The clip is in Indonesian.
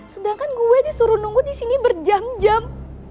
sedangkan gue disuruh nunggu disini berjam jam